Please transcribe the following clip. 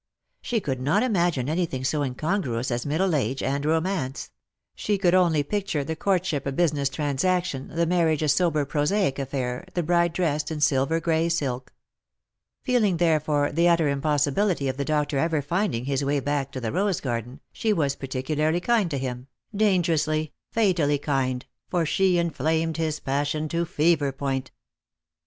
She could not imagine anything so incongruous as middle age and romance ; she could only picture the courtship a business transaction, the marriage a sober prosaic affair, the bride dressed in silver gray silk. Feel ing therefore the utter impossibility of the doctor ever finding his way back to the rose garden, she was particularly kind to him — dangerously, fatally kind — for she inflamed his passion to fever point.